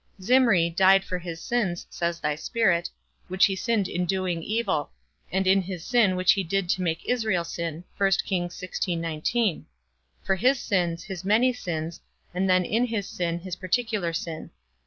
Zimri died for his sins, says thy Spirit, which he sinned in doing evil; and in his sin which he did to make Israel sin; for his sins, his many sins, and then in his sin, his particular sin.